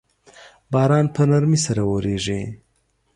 باران په نرمۍ سره اوریږي